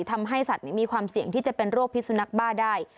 ทำให้สัตว์มีความเสี่ยงที่จะเป็นโรคพิสุนักบ้าได้